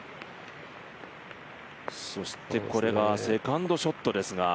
そしてこれがセカンドショットですが。